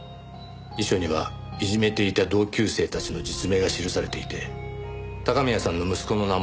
遺書にはいじめていた同級生たちの実名が記されていて高宮さんの息子の名前もあった。